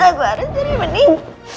aku harus cari mending